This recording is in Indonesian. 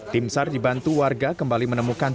tim sar dibantu warga kembali menemukan